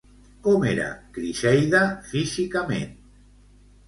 Com era Criseida físicament?